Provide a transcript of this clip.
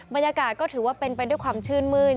บรรยากาศก็ถือว่าเป็นไปด้วยความชื่นมื้น